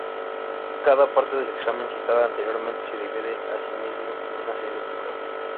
Cada parte del examen citada anteriormente se divide asimismo en una serie de pruebas.